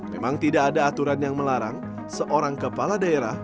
memang tidak ada aturan yang melarang seorang kepala daerah